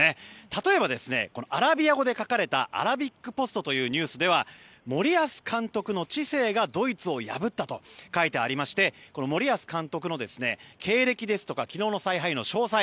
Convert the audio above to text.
例えばアラビア語で書かれたアラビックポストというニュースでは森保監督の知性がドイツを破ったと書いてありまして森保監督の経歴昨日の采配の詳細